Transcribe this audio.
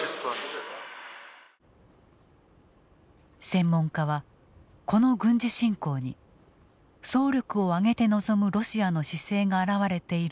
専門家はこの軍事侵攻に総力を挙げて臨むロシアの姿勢が表れていると分析している。